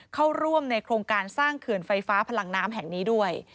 เข้าร่วมในโครงการสร้างเขื่อนไฟฟ้าพลังน้ำแห่งนี้ด้วย